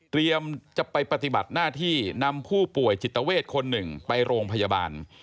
จะไปปฏิบัติหน้าที่นำผู้ป่วยจิตเวทคนหนึ่งไปโรงพยาบาล